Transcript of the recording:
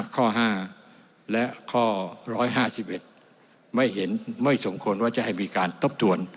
ข้อ๕และข้อ๑๕๑ไม่เห็นไม่สมควรว่าจะให้มีการทบทวน